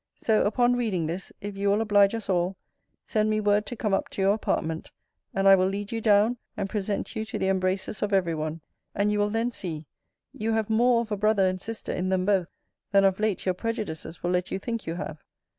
So, upon reading this, if you will oblige us all, send me word to come up to your apartment: and I will lead you down, and present you to the embraces of every one: and you will then see, you have more of a brother and sister in them both, than of late your prejudices will let you think you have.